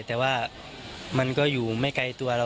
แต่ว่ามันก็อยู่ไม่ไกลตัวเรา